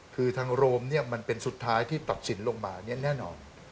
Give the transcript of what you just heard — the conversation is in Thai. คือทางโรมเนี่ยมันเป็นสุดท้ายที่ตัดสินลงมาแน่นอน